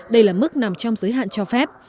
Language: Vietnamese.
đây là mức nằm trong giới hạn cho phép